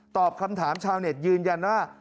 ตอบคำถามชาวเน็ตยืนยันว่า